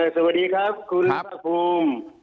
สวัสดีครับคุณภาคภูมิ